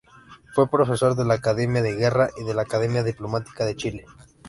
Fue profesor de la Academia de Guerra y de la Academia Diplomática de Chile.